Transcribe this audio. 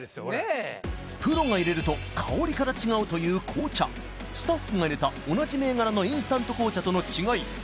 俺プロが淹れると香りから違うという紅茶スタッフが淹れた同じ銘柄のインスタント紅茶との違い